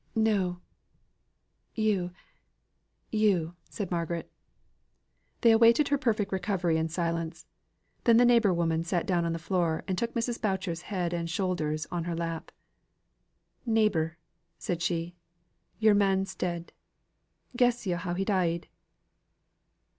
"No; you, you," said Margaret. They awaited her perfect recovery in silence. Then the neighbour woman sat down on the floor, and took Mrs. Boucher's head and shoulders on her lap. "Neighbour," said she, "your man is dead. Guess yo' how he died?"